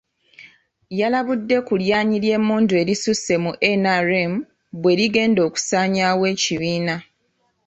Yalabudde ku lyanyi ly'emmundu erisusse mu NRM bwe ligenda okusanyaawo ekibiina.